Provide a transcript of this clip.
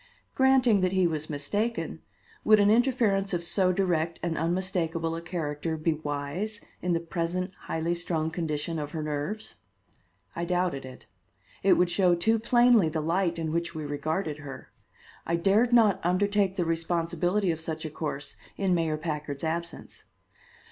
Granting that he was mistaken, would an interference of so direct and unmistakable a character be wise in the present highly strung condition of her nerves? I doubted it. It would show too plainly the light in which we regarded her. I dared not undertake the responsibility of such a course in Mayor Packard's absence.